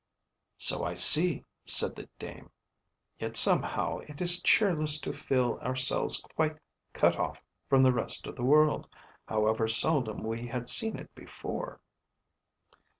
"So I see," said the dame; "yet somehow, it is cheerless to feel ourselves quite cut off from the rest of the world, however seldom we had seen it before."